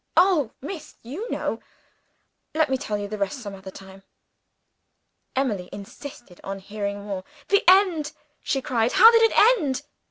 Oh, miss, you know! Let me tell you the rest of it some other time." Emily insisted on hearing more. "The end!" she cried. "How did it end?"